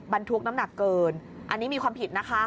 บรรทุกน้ำหนักเกินอันนี้มีความผิดนะคะ